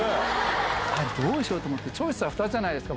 あれ、どうしようと思って、チョイスは２つじゃないですか。